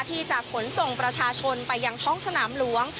ที่จะขนส่งประชาชนไปยังท้องสนามหลวง